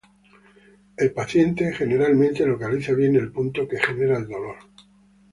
El paciente generalmente localiza bien el punto que genera el dolor.